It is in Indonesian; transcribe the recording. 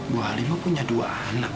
bu halimah punya dua anak